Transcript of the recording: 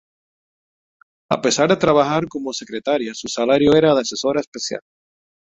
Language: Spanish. A pesar de trabajar como secretaria, su salario era de asesora especial.